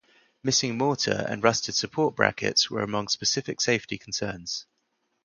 Missing mortar and rusted support brackets were among specific safety concerns.